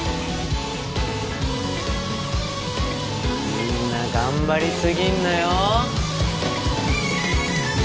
みんな頑張り過ぎんなよ！